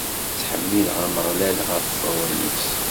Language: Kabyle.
Ttḥemmideɣ Ameɣlal ɣef wawal-is.